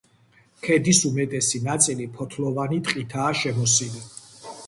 ქედის უმეტესი ნაწილი ფოთლოვანი ტყითაა შემოსილი.